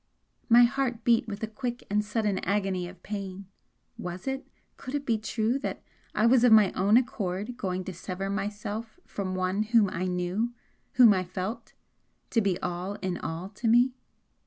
My heart beat with a quick and sudden agony of pain was it, could it be true that I was of my own accord going to sever myself from one whom I knew, whom I felt to be all in all to me?